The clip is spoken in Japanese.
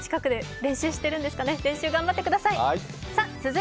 練習頑張ってください。